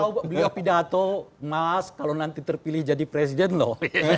ya mana tahu beliau pidato mas kalau nanti terpilih jadi presiden loh